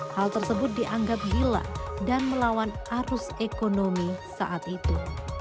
hal tersebut dianggap gila dan melawan arus ekonomi saat itu